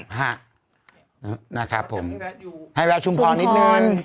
นะครับผมให้แววชุมพรนิดนึง